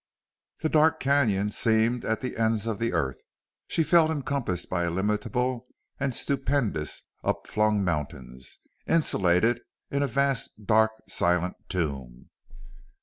This dark canon seemed at the ends of the earth. She felt encompassed by illimitable and stupendous upflung mountains, insulated in a vast, dark, silent tomb.